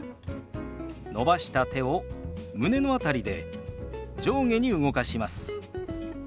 伸ばした手を胸の辺りで上下に動かします。